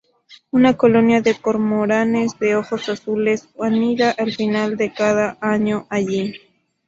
Una colonia de cormoranes de ojos azules anida al final de cada año allí.